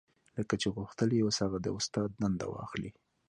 لکه چې غوښتل يې اوس هغه د استادۍ دنده واخلي.